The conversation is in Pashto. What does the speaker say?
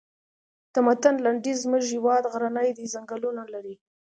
د متن لنډیز زموږ هېواد غرنی دی ځنګلونه لري.